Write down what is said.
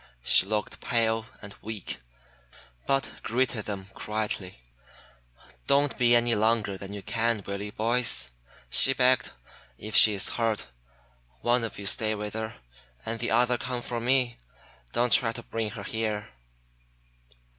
She looked pale and weak, but greeted them quietly. "Don't be any longer than you can, will you, boys?" she begged. "If she is hurt one of you stay with her, and the other come for me. Don't try to bring her here."